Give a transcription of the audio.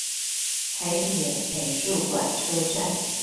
台鐵美術館車站